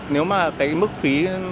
nếu mà cái mức phí